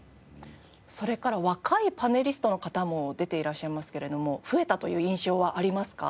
それから若いパネリストの方も出ていらっしゃいますけれども増えたという印象はありますか？